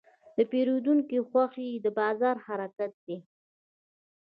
د پیرودونکي خوښي د بازار حرکت دی.